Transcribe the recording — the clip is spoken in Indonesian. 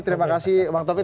terima kasih bang topik